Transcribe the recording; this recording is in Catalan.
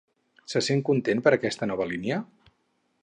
Se sent content per aquesta nova línia?